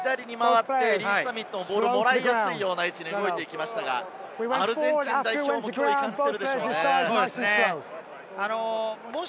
スクラムが左に回ってリース＝ザミット、ボールをもらいやすいような位置に動いていきましたが、アルゼンチン代表も勢いを感じていると思いますね。